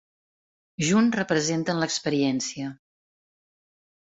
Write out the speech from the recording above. Junt representen l'experiència.